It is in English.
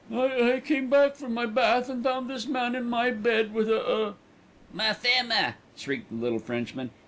"I I came back from my bath and found this man in my bed with a a " "Ma femme," shrieked the little Frenchman.